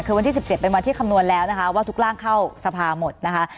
คือวันที่๑๗เป็นวันที่คำนวณแล้วนะคะว่าทุกร่างเข้าสภาหมดนะคะ